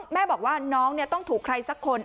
แม่บอกว่าน้องต้องถูกใครสักคน